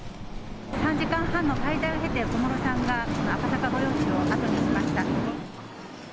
３時間半の滞在を経て、小室さんが赤坂御用地を後にしました。